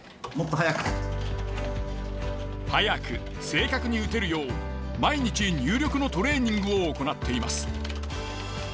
速く正確に打てるよう毎日入力のトレーニングを行っています。